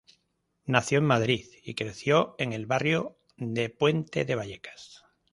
Nació en Madrid, y creció en el barrio de Puente de Vallecas.